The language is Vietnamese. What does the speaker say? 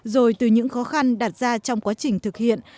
rồi từ những khó khăn đạt ra trong quá trình thực hiện